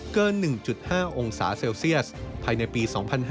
เกิน๑๕องศาเซลเซียสภายในปี๒๕๕๙